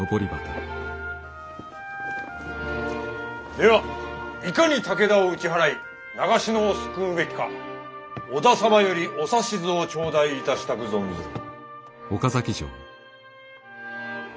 ではいかに武田を打ち払い長篠を救うべきか織田様よりお指図を頂戴いたしたく存ずる。